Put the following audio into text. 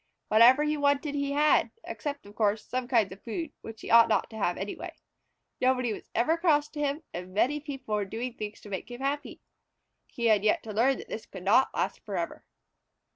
Whatever he wanted he had, except, of course, some kinds of food, which he ought not to have anyway. Nobody was ever cross to him and many people were doing things to make him happy. He had yet to learn that this could not last forever.